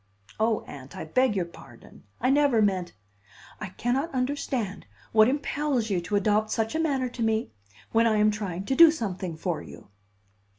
"Oh, Aunt, I beg your pardon. I never meant " "I cannot understand what impels you to adopt such a manner to me, when I am trying to do something for you."